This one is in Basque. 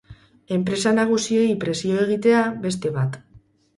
Enpresa nagusiei presio egitea, beste bat.